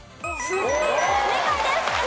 正解です！